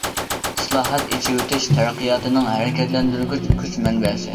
ئىسلاھات، ئېچىۋېتىش تەرەققىياتنىڭ ھەرىكەتلەندۈرگۈچ كۈچ مەنبەسى.